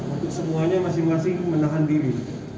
untuk semuanya masing masing menahan diri